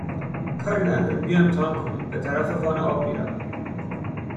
کاری نداره، بیا امتحان کنیم! به طرف وان آب میروند